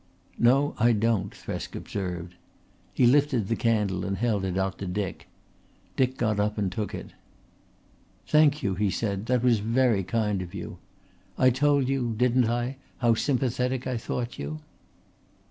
"No, I don't," Thresk observed. He lifted the candle and held it out to Dick. Dick got up and took it. "Thank you," he said. "That was very kind of you. I told you didn't I? how sympathetic I thought you."